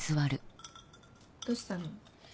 どうしたの？